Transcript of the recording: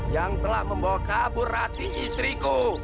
yang telah membawa kabur hati istriku